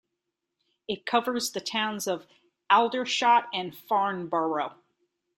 It covers the towns of Aldershot and Farnborough.